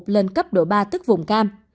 lên cấp độ ba tức vùng cam